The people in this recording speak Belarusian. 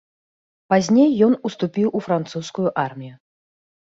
Пазней ён уступіў у французскую армію.